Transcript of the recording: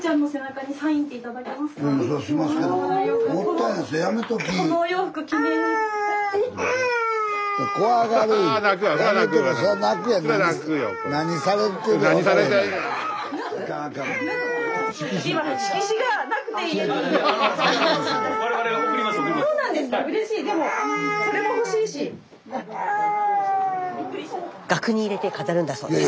スタジオ額に入れて飾るんだそうです。